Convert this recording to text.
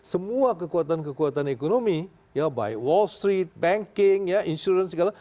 semua kekuatan kekuatan ekonomi ya baik wall street banking insurance segala